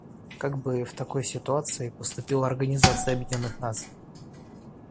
Как бы в такой ситуации поступила Организация Объединенных Наций?